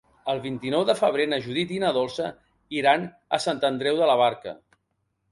El vint-i-nou de febrer na Judit i na Dolça iran a Sant Andreu de la Barca.